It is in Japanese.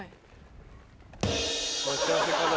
待ち合わせかな？